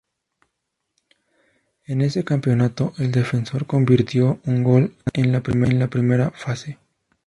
En ese campeonato el defensor convirtió un gol ante en la primera fase.